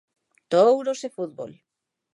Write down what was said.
Touros e fútbol.